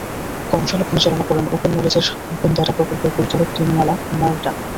কর্মশালা পরিচালনা করেন ওপেন নলেজের ওপেন ডেটা প্রকল্পের পরিচালক ডেনিয়ালা ম্যাটার্ন।